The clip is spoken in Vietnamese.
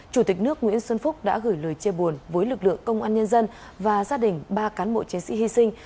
chủ tịch nước nguyễn xuân phúc đã gửi lời chia buồn với lực lượng công an nhân dân và gia đình ba cán bộ chiến sĩ hy sinh